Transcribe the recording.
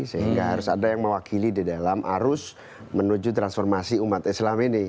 sehingga harus ada yang mewakili di dalam arus menuju transformasi umat islam ini